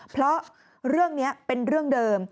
เพราะเรื่องนี้เป็นเรื่องเดิม